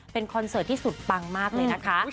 เป็นคอนเสิร์ตที่สุดปังมากเลยนะคะ